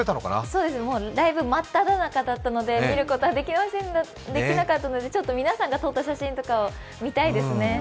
そうですね、ライブ真っただ中だったんで、見ることはできなかったので、ちょっと皆さんが撮った写真とかを見たいですね。